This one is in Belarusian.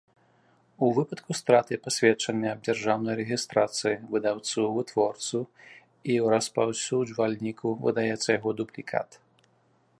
У выпадку страты пасведчання аб дзяржаўнай рэгiстрацыi выдаўцу, вытворцу i распаўсюджвальнiку выдаецца яго дублiкат.